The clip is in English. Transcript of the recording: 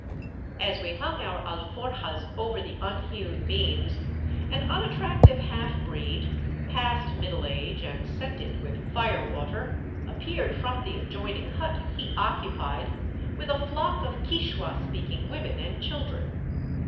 As we hung our alforjas over the unhewn beams, an unattractive half breed, past middle age and scented with fire water, appeared from the adjoining hut he occupied with a flock of Quichua speaking women and children.